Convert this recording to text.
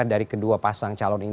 dari kedua pasang calon ini